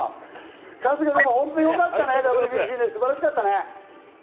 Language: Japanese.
春日でも本当によかったね、ＷＢＣ素晴らしかったね。